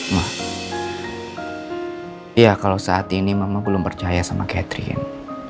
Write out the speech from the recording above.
iya kalau saat ini mama belum percaya sama catherine